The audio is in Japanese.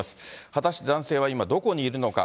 果たして男性は今どこにいるのか。